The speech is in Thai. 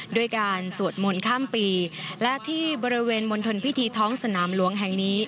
ด้วยการสวดมนต์ข้ามปีและที่บริเวณมณฑลพิธีท้องสนามหลวงแห่งนี้